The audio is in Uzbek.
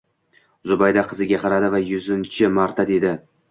Zubayda qiziga qaradi va yuzinchi marta dedi